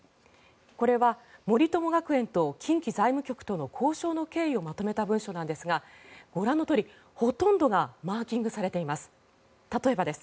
これは森友学園と近畿財務局との交渉の経緯をまとめた文書ですがご覧のとおり、ほとんどがマーキングされています。